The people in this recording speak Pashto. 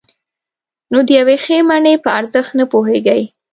نو د یوې ښې مڼې په ارزښت نه پوهېږئ.